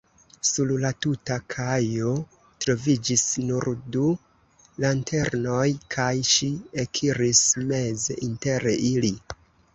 Sur la tuta kajo troviĝis nur du lanternoj, kaj ŝi ekiris meze inter ili.